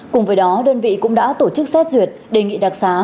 cùng với đó đơn vị cũng đã tổ chức xét duyệt đề nghị đặc xá